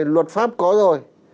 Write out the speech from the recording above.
luật pháp có rồi